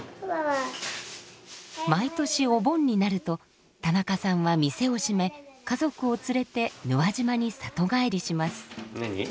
毎年お盆になると田中さんは店を閉め家族を連れて怒和島に里帰りします。